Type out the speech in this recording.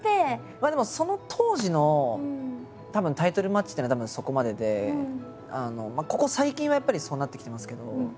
でもその当時のタイトルマッチっていうのはたぶんそこまででここ最近はやっぱりそうなってきてますけど。